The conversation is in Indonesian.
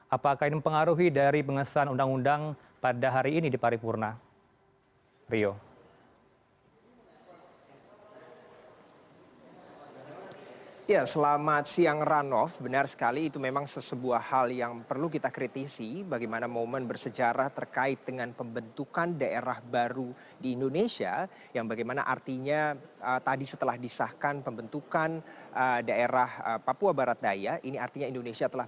apakah ini mempengaruhi dari pengesahan undang undang pada hari ini di paripurna rio